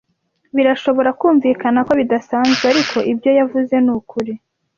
Birashobora kumvikana ko bidasanzwe, ariko ibyo yavuze ni ukuri.